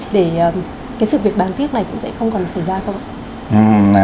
để cái sự việc bán viết này cũng sẽ không còn xảy ra không ạ